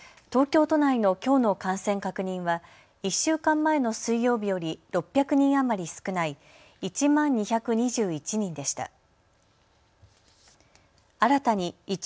東京都内のきょうの感染確認は１週間前の水曜日より６００人余り少ない１万２２１人でした。